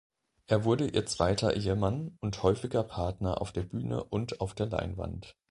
Er wurde ihr zweiter Ehemann und häufiger Partner auf der Bühne und auf der Leinwand.